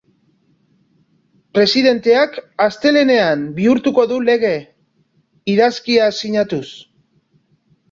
Presidenteak astelehenean bihurtuko du lege, idazkia sinatuz.